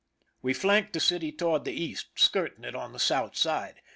We flanked the city toward the east, skirting it on the south side.